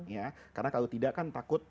ya karena kalau tidak kan takut